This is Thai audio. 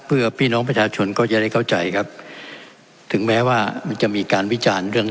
เพื่อพี่น้องประชาชนก็จะได้เข้าใจครับถึงแม้ว่ามันจะมีการวิจารณ์เรื่อง